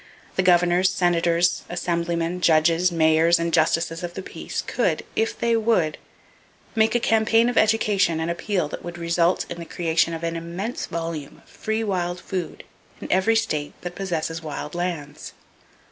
The governors, senators, assemblymen, judges, mayors and justices of the peace could, if they would, make a campaign of education and appeal that would result in the creation of an immense volume of free wild food in every state that possesses wild lands.